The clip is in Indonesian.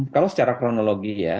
kalau secara kronologi ya